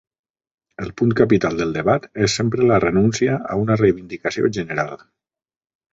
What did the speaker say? El punt capital del debat és sempre la renúncia a una reivindicació general.